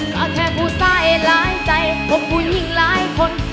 ก็แค่ผู้สายหลายใจของผู้หญิงหลายคน